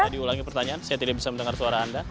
diulangi pertanyaan saya tidak bisa mendengar suara anda